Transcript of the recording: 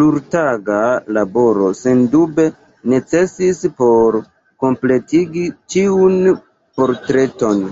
Plurtaga laboro sendube necesis por kompletigi ĉiun portreton.